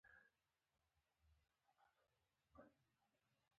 یو چینایي هیات د علت څېړنې ته ولېږه.